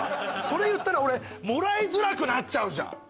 それ言ったら俺もらいづらくなっちゃうじゃん。